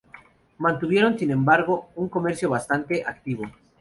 Mantuvieron, sin embargo, un comercio bastante activo.